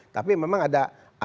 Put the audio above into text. tapi memang ada